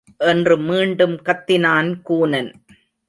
என்று மீண்டும் கத்தினான் கூனன்.